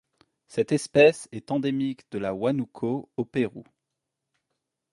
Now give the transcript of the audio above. Cette espèce est endémique de la Huánuco au Pérou.